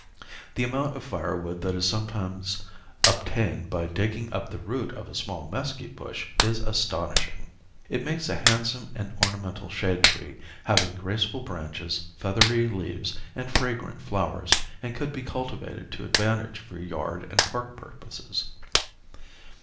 The amount of firewood that is sometimes obtained by digging up the root of a small mesquite bush is astonishing. It makes a handsome and ornamental shade tree, having graceful branches, feathery leaves and fragrant flowers, and could be cultivated to advantage for yard and park purposes.